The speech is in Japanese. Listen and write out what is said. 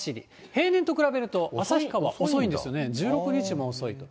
平年と比べると、旭川遅いんですよね、１６日も遅いと。